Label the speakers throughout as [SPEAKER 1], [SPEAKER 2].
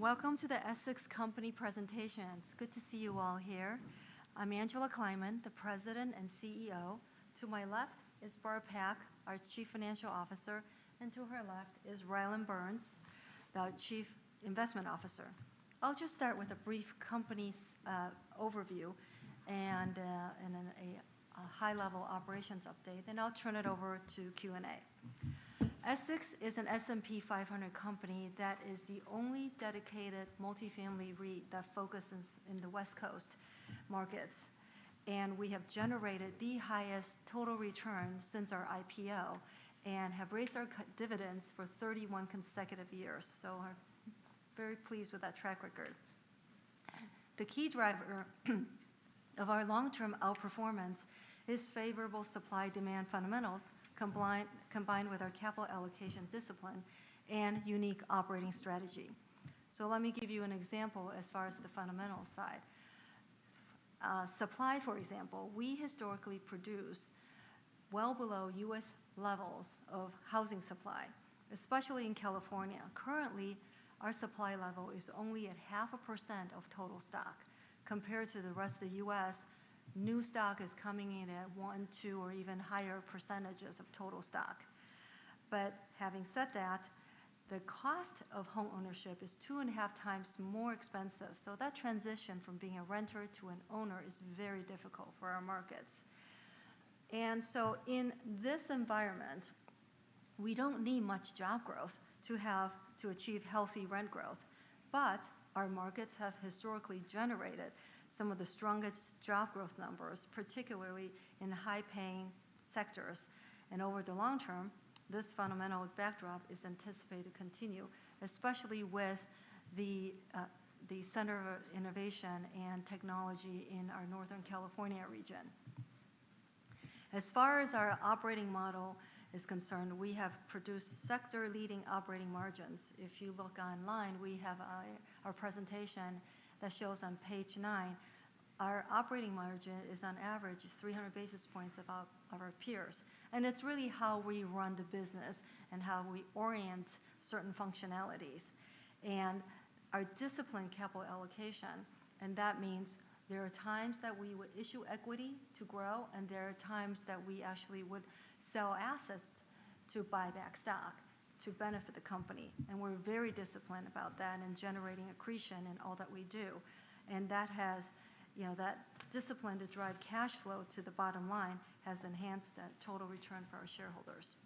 [SPEAKER 1] Welcome to the Essex Company presentations. Good to see you all here. I'm Angela Kleiman, the President and CEO. To my left is Barb Pak, our Chief Financial Officer, and to her left is Rylan Burns, the Chief Investment Officer. I'll just start with a brief company overview and a high-level operations update, then I'll turn it over to Q&A. Essex is an S&P 500 company that is the only dedicated multifamily REIT that focuses on the West Coast markets, and we have generated the highest total return since our IPO and have raised our dividends for 31 consecutive years. We are very pleased with that track record. The key driver of our long-term outperformance is favorable supply-demand fundamentals combined with our capital allocation discipline and unique operating strategy. Let me give you an example as far as the fundamentals side. Supply, for example, we historically produce well below U.S. levels of housing supply, especially in California. Currently, our supply level is only at 0.5% of total stock compared to the rest of the U.S. New stock is coming in at 1%, 2%, or even higher percentages of total stock. Having said that, the cost of homeownership is two and a half times more expensive. That transition from being a renter to an owner is very difficult for our markets. In this environment, we do not need much job growth to achieve healthy rent growth, but our markets have historically generated some of the strongest job growth numbers, particularly in high-paying sectors. Over the long term, this fundamental backdrop is anticipated to continue, especially with the Center of Innovation and Technology in our Northern California region. As far as our operating model is concerned, we have produced sector-leading operating margins. If you look online, we have our presentation that shows on page nine. Our operating margin is, on average, 300 basis points above our peers. It is really how we run the business and how we orient certain functionalities. Our disciplined capital allocation means there are times that we would issue equity to grow, and there are times that we actually would sell assets to buy back stock to benefit the company. We are very disciplined about that and generating accretion in all that we do. That discipline to drive cash flow to the bottom line has enhanced that total return for our shareholders.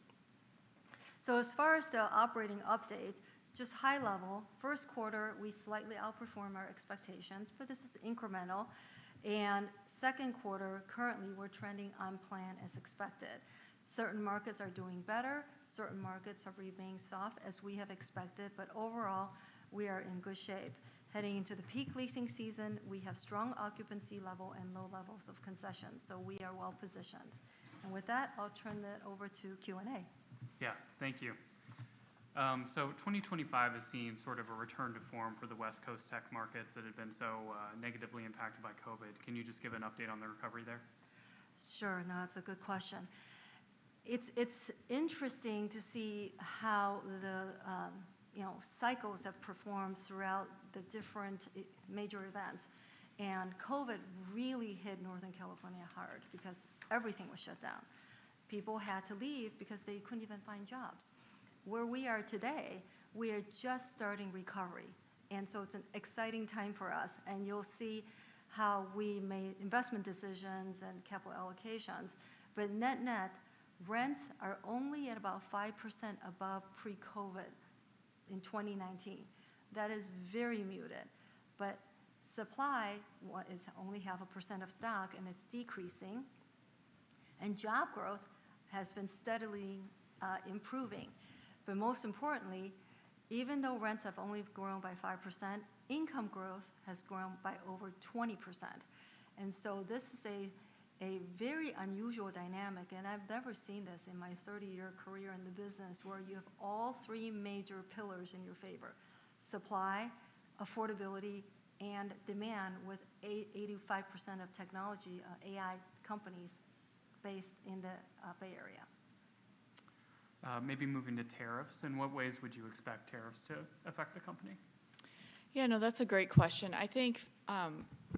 [SPEAKER 1] As far as the operating update, just high level, first quarter, we slightly outperformed our expectations, but this is incremental. Second quarter, currently, we're trending on plan as expected. Certain markets are doing better. Certain markets are remaining soft as we have expected, but overall, we are in good shape. Heading into the peak leasing season, we have strong occupancy level and low levels of concessions, so we are well positioned. With that, I'll turn that over to Q&A. Yeah, thank you. 2025 has seen sort of a return to form for the West Coast tech markets that had been so negatively impacted by COVID. Can you just give an update on the recovery there? Sure. No, that's a good question. It's interesting to see how the cycles have performed throughout the different major events. COVID really hit Northern California hard because everything was shut down. People had to leave because they couldn't even find jobs. Where we are today, we are just starting recovery. It is an exciting time for us. You'll see how we made investment decisions and capital allocations. Net-net, rents are only at about 5% above pre-COVID in 2019. That is very muted. Supply is only half a percent of stock, and it's decreasing. Job growth has been steadily improving. Most importantly, even though rents have only grown by 5%, income growth has grown by over 20%. This is a very unusual dynamic, and I've never seen this in my 30-year career in the business where you have all three major pillars in your favor: supply, affordability, and demand with 85% of technology AI companies based in the Bay Area. Maybe moving to tariffs. In what ways would you expect tariffs to affect the company?
[SPEAKER 2] Yeah, no, that's a great question. I think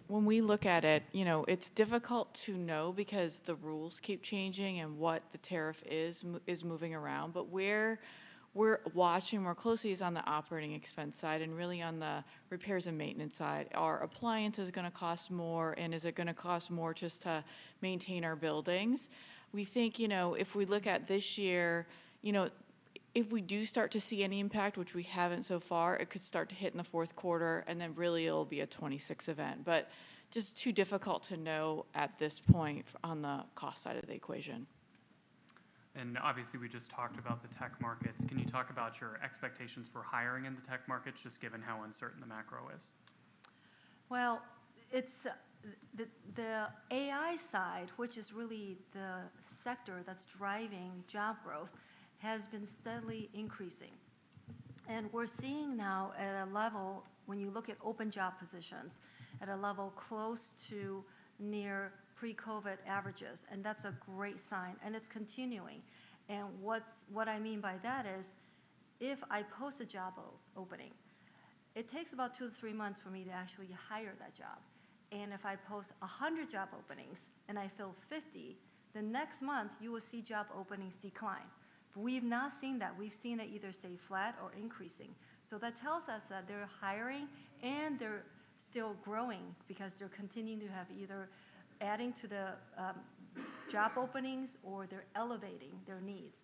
[SPEAKER 2] when we look at it, it's difficult to know because the rules keep changing and what the tariff is moving around. Where we're watching more closely is on the operating expense side and really on the repairs and maintenance side. Are appliances going to cost more, and is it going to cost more just to maintain our buildings? We think if we look at this year, if we do start to see any impact, which we haven't so far, it could start to hit in the fourth quarter, and then really it'll be a 2026 event. Just too difficult to know at this point on the cost side of the equation. Obviously, we just talked about the tech markets. Can you talk about your expectations for hiring in the tech markets, just given how uncertain the macro is?
[SPEAKER 1] The AI side, which is really the sector that's driving job growth, has been steadily increasing. We're seeing now at a level, when you look at open job positions, at a level close to near pre-COVID averages, and that's a great sign. It's continuing. What I mean by that is if I post a job opening, it takes about two to three months for me to actually hire that job. If I post 100 job openings and I fill 50, the next month you will see job openings decline. We've not seen that. We've seen it either stay flat or increasing. That tells us that they're hiring and they're still growing because they're continuing to have either adding to the job openings or they're elevating their needs.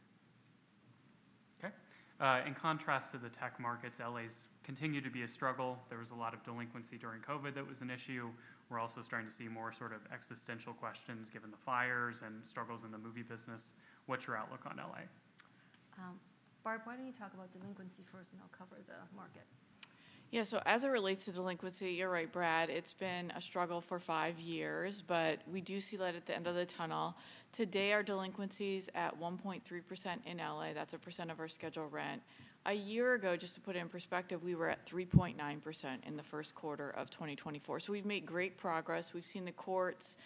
[SPEAKER 1] Okay. In contrast to the tech markets, LA's continue to be a struggle. There was a lot of delinquency during COVID that was an issue. We're also starting to see more sort of existential questions given the fires and struggles in the movie business. What's your outlook on LA? Barb, why don't you talk about delinquency first, and I'll cover the market?
[SPEAKER 2] Yeah, so as it relates to delinquency, you're right, Brad. It's been a struggle for five years, but we do see light at the end of the tunnel. Today, our delinquency is at 1.3% in LA. That's a percent of our scheduled rent. A year ago, just to put it in perspective, we were at 3.9% in the first quarter of 2024. So we've made great progress. We've seen the courts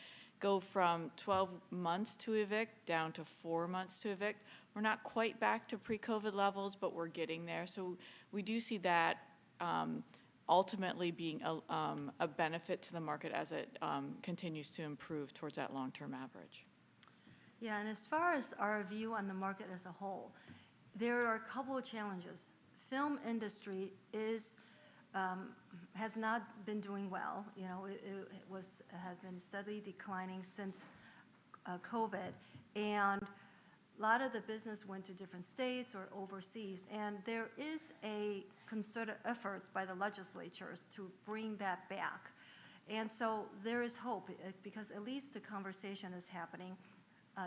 [SPEAKER 2] go from 12 months to evict down to four months to evict. We're not quite back to pre-COVID levels, but we're getting there. We do see that ultimately being a benefit to the market as it continues to improve towards that long-term average.
[SPEAKER 1] Yeah, and as far as our view on the market as a whole, there are a couple of challenges. The film industry has not been doing well. It had been steadily declining since COVID. A lot of the business went to different states or overseas. There is a concerted effort by the legislatures to bring that back. There is hope because at least the conversation is happening.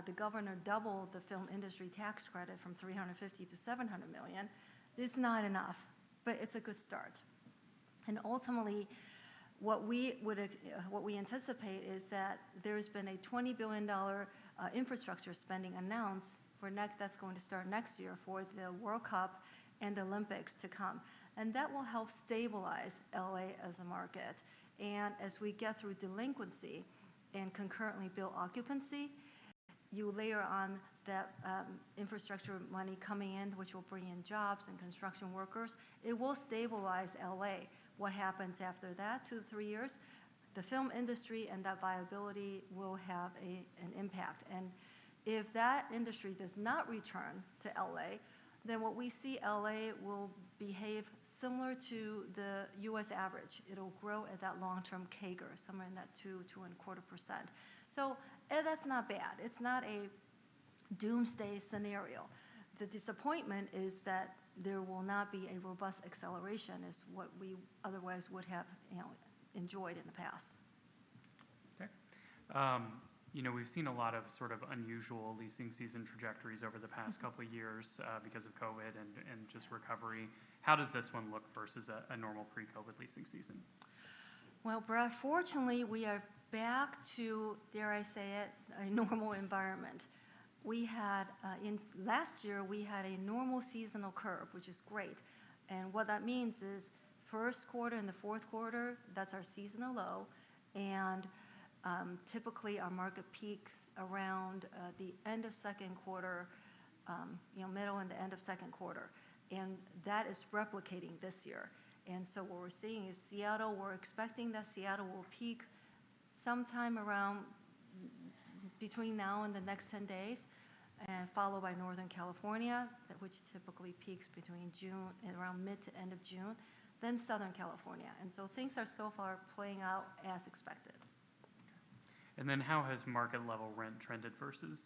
[SPEAKER 1] The governor doubled the film industry tax credit from $350 million to $700 million. It's not enough, but it's a good start. Ultimately, what we anticipate is that there has been a $20 billion infrastructure spending announced that's going to start next year for the World Cup and the Olympics to come. That will help stabilize LA as a market. As we get through delinquency and concurrently build occupancy, you layer on that infrastructure money coming in, which will bring in jobs and construction workers. It will stabilize LA. What happens after that, two to three years, the film industry and that viability will have an impact. If that industry does not return to LA, then what we see is LA will behave similar to the U.S. average. It will grow at that long-term CAGR, somewhere in that 2%-2.25%. That is not bad. It is not a doomsday scenario. The disappointment is that there will not be a robust acceleration, which is what we otherwise would have enjoyed in the past. Okay. We've seen a lot of sort of unusual leasing season trajectories over the past couple of years because of COVID and just recovery. How does this one look versus a normal pre-COVID leasing season? Brad, fortunately, we are back to, dare I say it, a normal environment. Last year, we had a normal seasonal curve, which is great. What that means is first quarter and the fourth quarter, that's our seasonal low. Typically, our market peaks around the end of second quarter, middle and the end of second quarter. That is replicating this year. What we are seeing is Seattle, we are expecting that Seattle will peak sometime around between now and the next 10 days, followed by Northern California, which typically peaks between June and around mid to end of June, then Southern California. Things are so far playing out as expected. How has market-level rent trended versus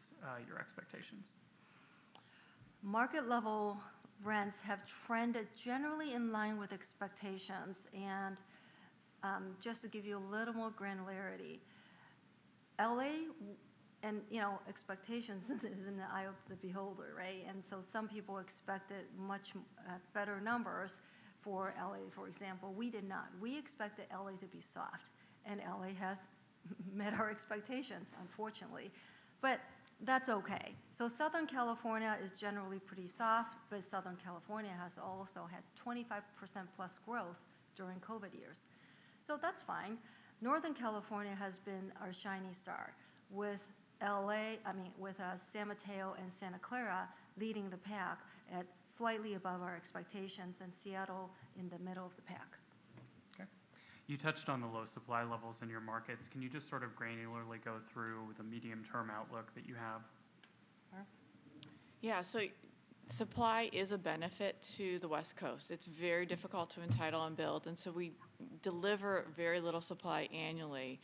[SPEAKER 1] your expectations? Market-level rents have trended generally in line with expectations. Just to give you a little more granularity, LA and expectations is in the eye of the beholder, right? Some people expected much better numbers for LA, for example. We did not. We expected LA to be soft, and LA has met our expectations, unfortunately. That is okay. Southern California is generally pretty soft, but Southern California has also had 25% plus growth during COVID years. That is fine. Northern California has been our shiny star with LA, I mean, with San Mateo and Santa Clara leading the pack at slightly above our expectations and Seattle in the middle of the pack. Okay. You touched on the low supply levels in your markets. Can you just sort of granularly go through the medium-term outlook that you have?
[SPEAKER 2] Yeah, supply is a benefit to the West Coast. It's very difficult to entitle and build. We deliver very little supply annually.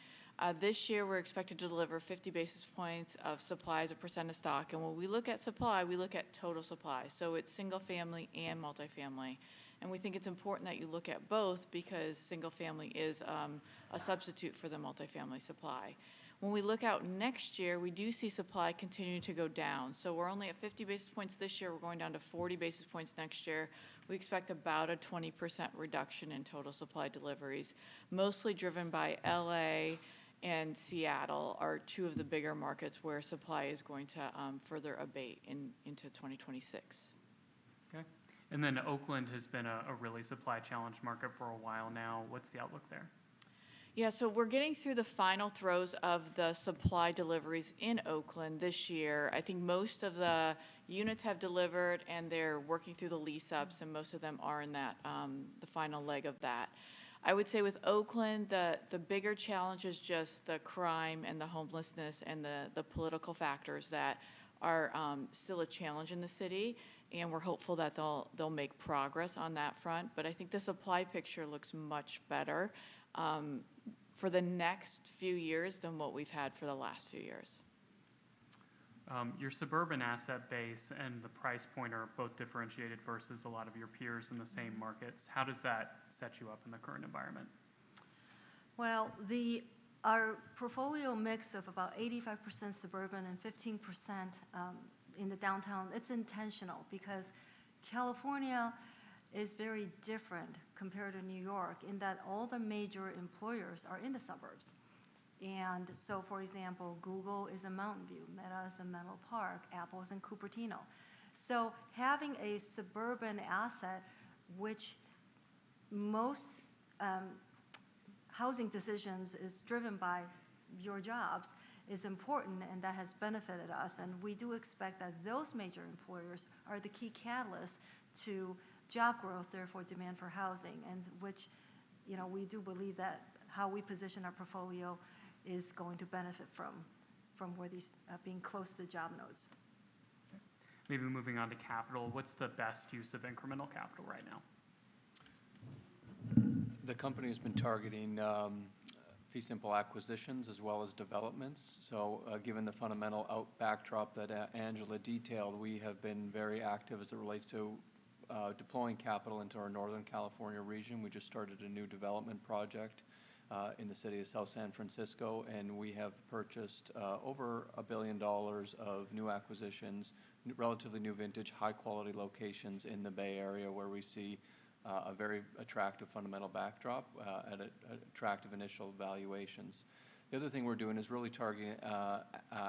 [SPEAKER 2] This year, we're expected to deliver 50 basis points of supply as a percent of stock. When we look at supply, we look at total supply. It's single-family and multifamily. We think it's important that you look at both because single-family is a substitute for the multifamily supply. When we look out next year, we do see supply continue to go down. We're only at 50 basis points this year. We're going down to 40 basis points next year. We expect about a 20% reduction in total supply deliveries, mostly driven by LA and Seattle, two of the bigger markets where supply is going to further abate into 2026. Okay. Oakland has been a really supply-challenged market for a while now. What's the outlook there? Yeah, so we're getting through the final throws of the supply deliveries in Oakland this year. I think most of the units have delivered, and they're working through the lease-ups, and most of them are in the final leg of that. I would say with Oakland, the bigger challenge is just the crime and the homelessness and the political factors that are still a challenge in the city. We're hopeful that they'll make progress on that front. I think the supply picture looks much better for the next few years than what we've had for the last few years. Your suburban asset base and the price point are both differentiated versus a lot of your peers in the same markets. How does that set you up in the current environment?
[SPEAKER 1] Our portfolio mix of about 85% suburban and 15% in the downtown is intentional because California is very different compared to New York in that all the major employers are in the suburbs. For example, Google is in Mountain View, Meta is in Menlo Park, Apple is in Cupertino. Having a suburban asset, which most housing decisions is driven by your jobs, is important, and that has benefited us. We do expect that those major employers are the key catalyst to job growth, therefore demand for housing, which we do believe that how we position our portfolio is going to benefit from being close to the job nodes. Okay. Maybe moving on to capital. What's the best use of incremental capital right now?
[SPEAKER 3] The company has been targeting fee simple acquisitions as well as developments. Given the fundamental backdrop that Angela detailed, we have been very active as it relates to deploying capital into our Northern California region. We just started a new development project in the city of South San Francisco, and we have purchased over $1 billion of new acquisitions, relatively new vintage, high-quality locations in the Bay Area where we see a very attractive fundamental backdrop at attractive initial valuations. The other thing we are doing is really targeting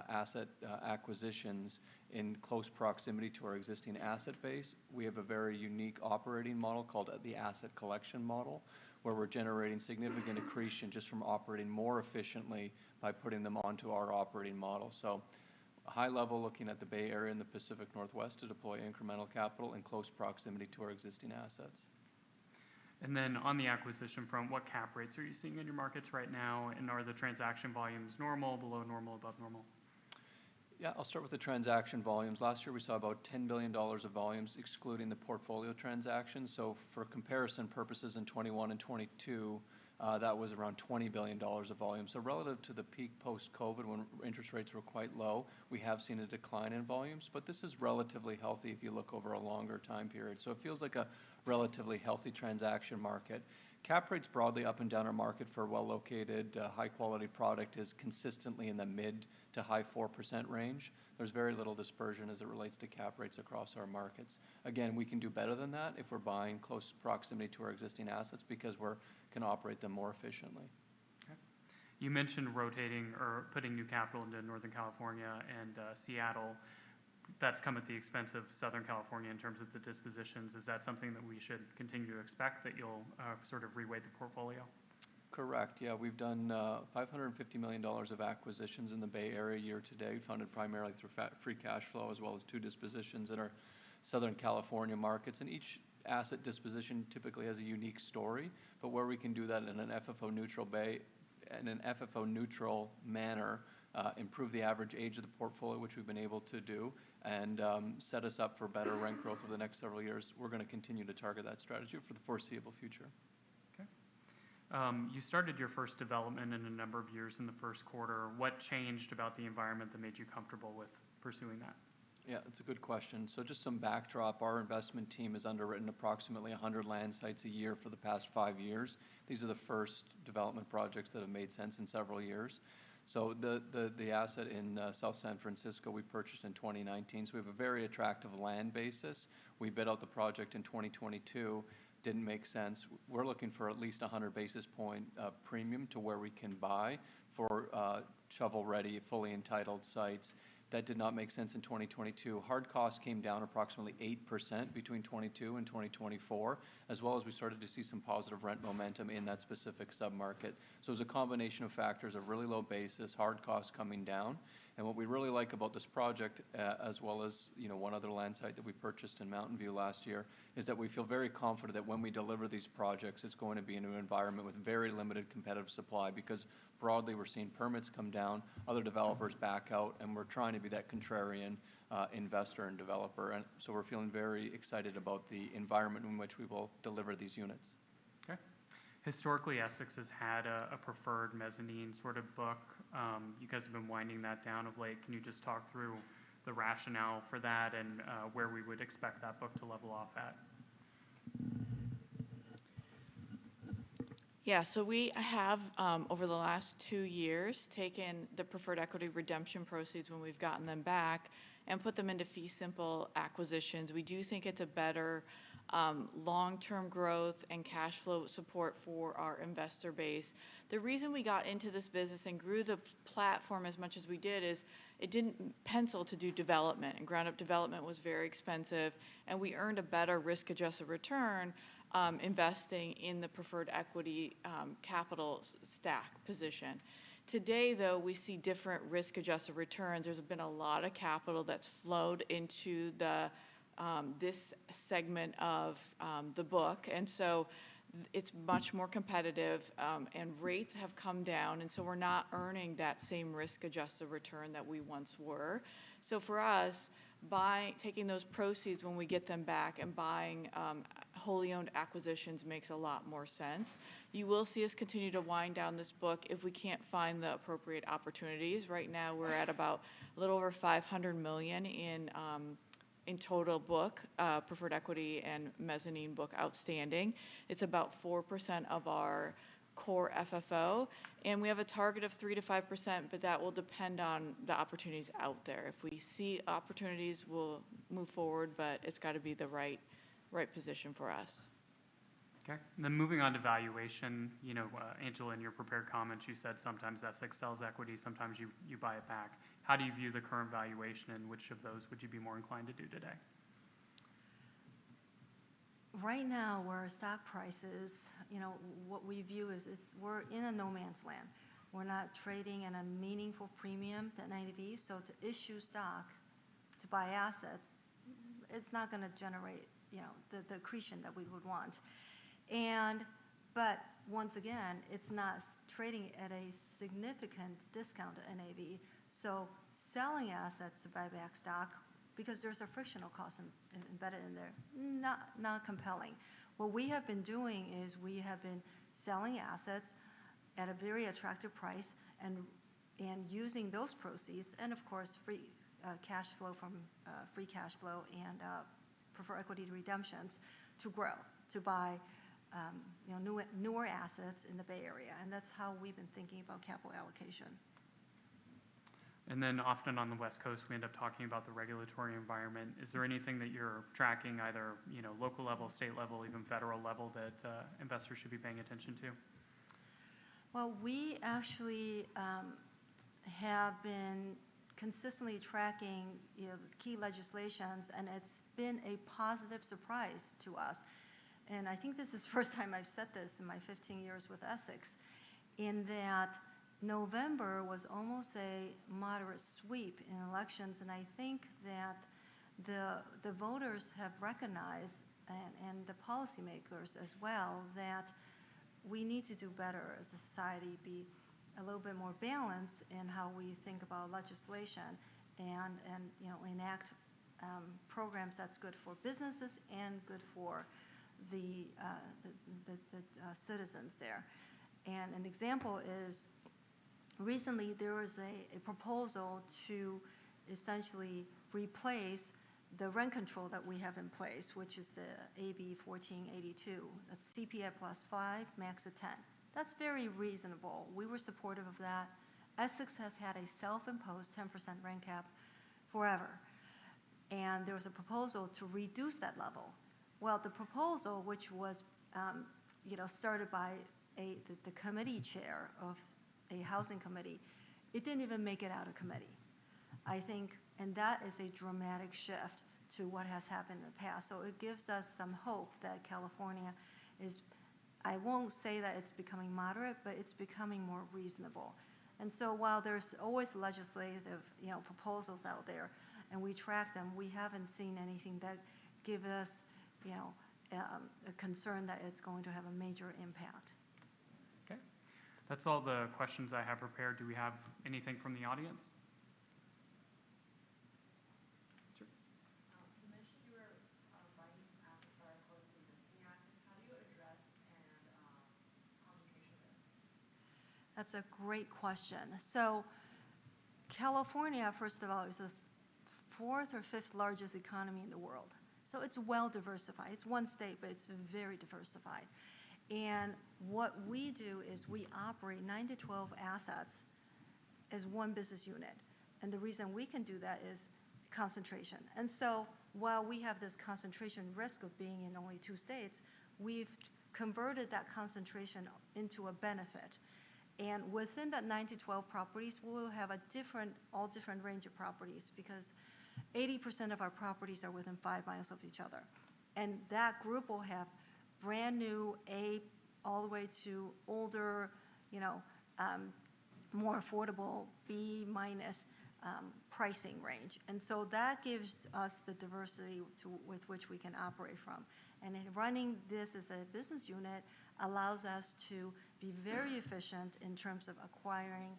[SPEAKER 3] asset acquisitions in close proximity to our existing asset base. We have a very unique operating model called the asset collection model where we are generating significant accretion just from operating more efficiently by putting them onto our operating model. High-level looking at the Bay Area and the Pacific Northwest to deploy incremental capital in close proximity to our existing assets. On the acquisition front, what cap rates are you seeing in your markets right now? Are the transaction volumes normal, below normal, or above normal? Yeah, I'll start with the transaction volumes. Last year, we saw about $10 billion of volumes excluding the portfolio transactions. For comparison purposes in 2021 and 2022, that was around $20 billion of volume. Relative to the peak post-COVID when interest rates were quite low, we have seen a decline in volumes, but this is relatively healthy if you look over a longer time period. It feels like a relatively healthy transaction market. Cap rates broadly up and down our market for a well-located, high-quality product is consistently in the mid to high 4% range. There is very little dispersion as it relates to cap rates across our markets. Again, we can do better than that if we're buying close proximity to our existing assets because we can operate them more efficiently. Okay. You mentioned rotating or putting new capital into Northern California and Seattle. That's come at the expense of Southern California in terms of the dispositions. Is that something that we should continue to expect that you'll sort of reweight the portfolio? Correct. Yeah, we've done $550 million of acquisitions in the Bay Area year to date, funded primarily through free cash flow as well as two dispositions in our Southern California markets. Each asset disposition typically has a unique story. Where we can do that in an FFO-neutral manner, improve the average age of the portfolio, which we've been able to do, and set us up for better rent growth over the next several years, we're going to continue to target that strategy for the foreseeable future. Okay. You started your first development in a number of years in the first quarter. What changed about the environment that made you comfortable with pursuing that? Yeah, that's a good question. Just some backdrop. Our investment team has underwritten approximately 100 land sites a year for the past five years. These are the first development projects that have made sense in several years. The asset in South San Francisco we purchased in 2019, so we have a very attractive land basis. We bid out the project in 2022. Did not make sense. We're looking for at least a 100 basis point premium to where we can buy for shovel-ready, fully entitled sites. That did not make sense in 2022. Hard costs came down approximately 8% between 2022 and 2024, as well as we started to see some positive rent momentum in that specific submarket. It was a combination of factors of really low basis, hard costs coming down. What we really like about this project, as well as one other land site that we purchased in Mountain View last year, is that we feel very confident that when we deliver these projects, it is going to be in an environment with very limited competitive supply because broadly we are seeing permits come down, other developers back out, and we are trying to be that contrarian investor and developer. We are feeling very excited about the environment in which we will deliver these units. Okay. Historically, Essex has had a preferred mezzanine sort of book. You guys have been winding that down of late. Can you just talk through the rationale for that and where we would expect that book to level off at?
[SPEAKER 2] Yeah, so we have, over the last two years, taken the preferred equity redemption proceeds when we've gotten them back and put them into fee simple acquisitions. We do think it's a better long-term growth and cash flow support for our investor base. The reason we got into this business and grew the platform as much as we did is it didn't pencil to do development. Ground-up development was very expensive. We earned a better risk-adjusted return investing in the preferred equity capital stack position. Today, though, we see different risk-adjusted returns. There's been a lot of capital that's flowed into this segment of the book. It's much more competitive, and rates have come down. We're not earning that same risk-adjusted return that we once were. For us, taking those proceeds when we get them back and buying wholly owned acquisitions makes a lot more sense. You will see us continue to wind down this book if we can't find the appropriate opportunities. Right now, we're at about a little over $500 million in total book, preferred equity and mezzanine book outstanding. It's about 4% of our core FFO. We have a target of 3%-5%, but that will depend on the opportunities out there. If we see opportunities, we'll move forward, but it's got to be the right position for us. Okay. Then moving on to valuation. Angela, in your prepared comments, you said sometimes Essex sells equity, sometimes you buy it back. How do you view the current valuation, and which of those would you be more inclined to do today?
[SPEAKER 1] Right now, where our stock price is, what we view is we're in a no-man's land. We're not trading at a meaningful premium to NAV. To issue stock to buy assets, it's not going to generate the accretion that we would want. Once again, it's not trading at a significant discount to NAV. Selling assets to buy back stock because there's a frictional cost embedded in there, not compelling. What we have been doing is we have been selling assets at a very attractive price and using those proceeds and, of course, free cash flow from free cash flow and preferred equity redemptions to grow, to buy newer assets in the Bay Area. That's how we've been thinking about capital allocation. Often on the West Coast, we end up talking about the regulatory environment. Is there anything that you're tracking, either local level, state level, even federal level, that investors should be paying attention to? We actually have been consistently tracking key legislations, and it has been a positive surprise to us. I think this is the first time I have said this in my 15 years with Essex in that November was almost a moderate sweep in elections. I think that the voters have recognized, and the policymakers as well, that we need to do better as a society, be a little bit more balanced in how we think about legislation and enact programs that are good for businesses and good for the citizens there. An example is recently there was a proposal to essentially replace the rent control that we have in place, which is the AB 1482. That is CPI plus 5%, max of 10%. That is very reasonable. We were supportive of that. Essex has had a self-imposed 10% rent cap forever. There was a proposal to reduce that level. The proposal, which was started by the committee chair of a housing committee, it did not even make it out of committee. I think that is a dramatic shift to what has happened in the past. It gives us some hope that California is, I will not say that it is becoming moderate, but it is becoming more reasonable. While there are always legislative proposals out there and we track them, we have not seen anything that gives us a concern that it is going to have a major impact. Okay. That's all the questions I have prepared. Do we have anything from the audience? Sure. You mentioned you were buying assets that are close to existing assets. How do you address and compensate for those? That's a great question. California, first of all, is the fourth or fifth largest economy in the world. It's well diversified. It's one state, but it's very diversified. What we do is we operate 9-12 assets as one business unit. The reason we can do that is concentration. While we have this concentration risk of being in only two states, we've converted that concentration into a benefit. Within that 9-12 properties, we'll have all different range of properties because 80% of our properties are within 5 mi of each other. That group will have brand new A all the way to older, more affordable B minus pricing range. That gives us the diversity with which we can operate from. Running this as a business unit allows us to be very efficient in terms of acquiring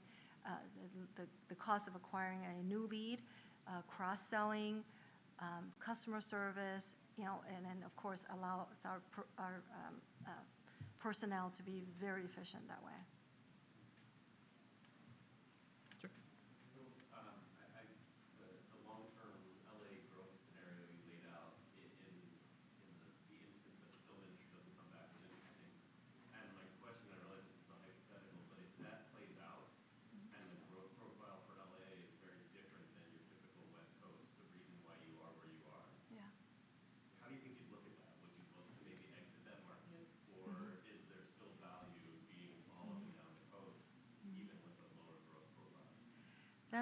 [SPEAKER 1] the cost of acquiring a new lead, cross-selling, customer service, and then, of course, allows our personnel to be very efficient that way.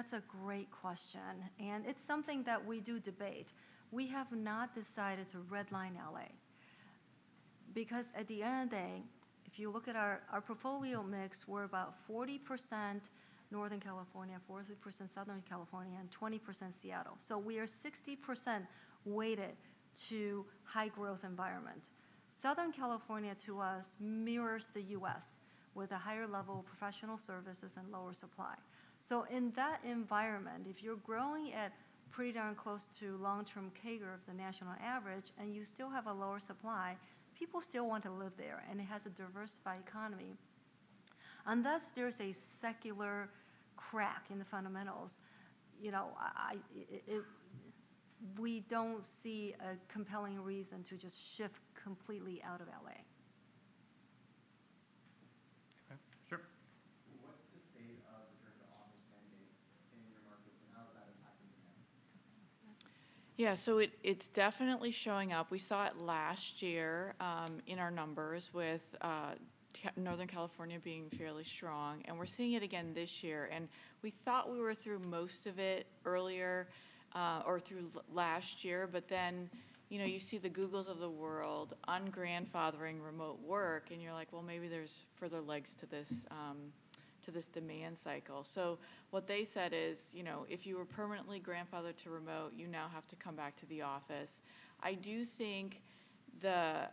[SPEAKER 1] Sure. I. The long-term LA growth scenario you laid out in the instance that the film industry does not come back is interesting. My question, I realize this is a hypothetical, but if that plays out, and the growth profile for LA is very different than your typical West Coast, the reason why you are where you are, how do you think you would look at that? Would you look to maybe exit that market, or is there still value being followed down the coast, even with a lower growth profile? That's a great question. It's something that we do debate. We have not decided to redline LA because at the end of the day, if you look at our portfolio mix, we're about 40% Northern California, 40% Southern California, and 20% Seattle. We are 60% weighted to high growth environment. Southern California to us mirrors the U.S. with a higher level of professional services and lower supply. In that environment, if you're growing at pretty darn close to long-term CAGR of the national average and you still have a lower supply, people still want to live there, and it has a diversified economy. Unless there's a secular crack in the fundamentals, we don't see a compelling reason to just shift completely out of LA. Okay. Sure. What's the state of the German office mandates in your markets, and how is that impacting demand?
[SPEAKER 2] Yeah, so it's definitely showing up. We saw it last year in our numbers with Northern California being fairly strong, and we're seeing it again this year. We thought we were through most of it earlier or through last year, but then you see the Googles of the world ungrandfathering remote work, and you're like, well, maybe there's further legs to this demand cycle. What they said is if you were permanently grandfathered to remote, you now have to come back to the office. I do think the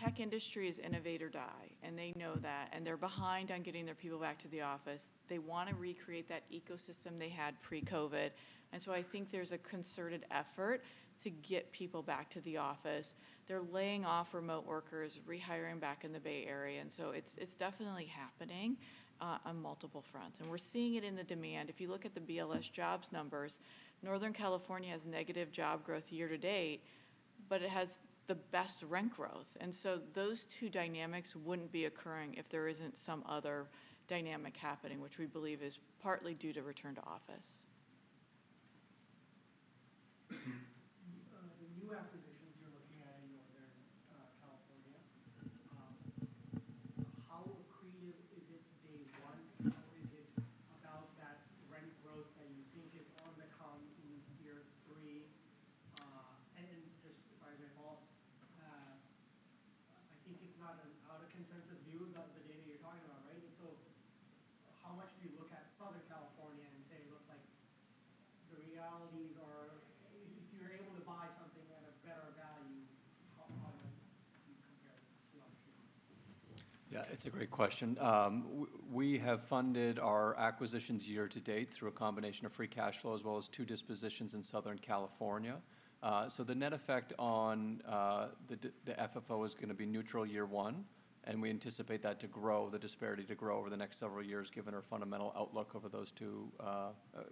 [SPEAKER 2] tech industry is innovate or die, and they know that, and they're behind on getting their people back to the office. They want to recreate that ecosystem they had pre-COVID. I think there's a concerted effort to get people back to the office. They're laying off remote workers, rehiring back in the Bay Area. It is definitely happening on multiple fronts. We are seeing it in the demand. If you look at the BLS jobs numbers, Northern California has negative job growth year to date, but it has the best rent growth. Those two dynamics would not be occurring if there is not some other dynamic happening, which we believe is partly due to return to office. The new acquisitions you're looking at in Northern California, how accretive is it day one? How is it about that rent growth that you think is on the come in year three? Just to clarify my thought, I think it's not an out-of-consensus view about the data you're talking about, right? How much do you look at Southern California and say, look, the realities are if you're able to buy something at a better value, how hard do you compare to other people?
[SPEAKER 3] Yeah, it's a great question. We have funded our acquisitions year to date through a combination of free cash flow as well as two dispositions in Southern California. The net effect on the FFO is going to be neutral year one, and we anticipate that to grow, the disparity to grow over the next several years given our fundamental outlook over those two,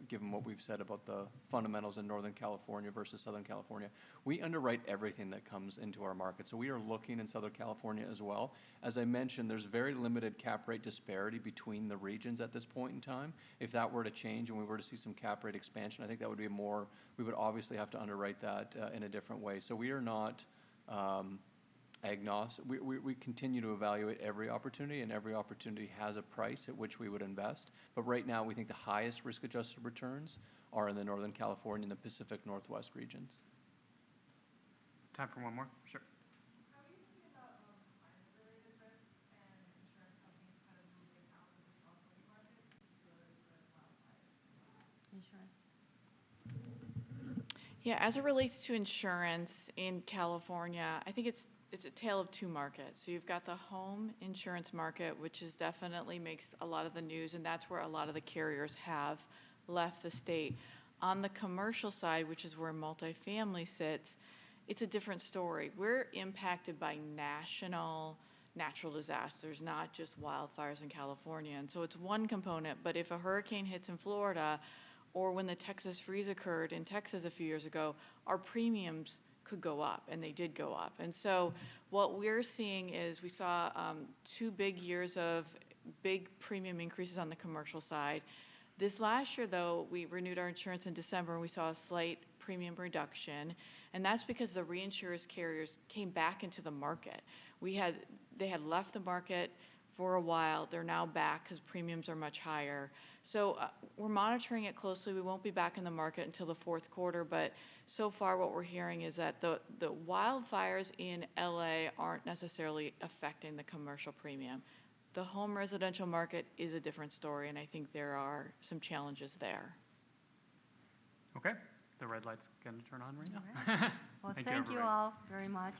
[SPEAKER 3] given what we've said about the fundamentals in Northern California versus Southern California. We underwrite everything that comes into our market. We are looking in Southern California as well. As I mentioned, there's very limited cap rate disparity between the regions at this point in time. If that were to change and we were to see some cap rate expansion, I think that would be a more we would obviously have to underwrite that in a different way. We are not agnostic. We continue to evaluate every opportunity, and every opportunity has a price at which we would invest. Right now, we think the highest risk-adjusted returns are in the Northern California and the Pacific Northwest regions. Time for one more. Sure. How do you feel about the climate-related risks and insurance companies kind of moving out of the California market, particularly for wildfires?
[SPEAKER 2] Insurance. Yeah, as it relates to insurance in California, I think it's a tale of two markets. You've got the home insurance market, which definitely makes a lot of the news, and that's where a lot of the carriers have left the state. On the commercial side, which is where multifamily sits, it's a different story. We're impacted by national natural disasters, not just wildfires in California. It's one component, but if a hurricane hits in Florida or when the Texas freeze occurred in Texas a few years ago, our premiums could go up, and they did go up. What we're seeing is we saw two big years of big premium increases on the commercial side. This last year, though, we renewed our insurance in December, and we saw a slight premium reduction. That's because the reinsurers carriers came back into the market. They had left the market for a while. They're now back because premiums are much higher. We are monitoring it closely. We will not be back in the market until the fourth quarter. So far, what we are hearing is that the wildfires in LA are not necessarily affecting the commercial premium. The home residential market is a different story, and I think there are some challenges there. Okay. The red light's going to turn on right now.
[SPEAKER 1] Thank you all very much.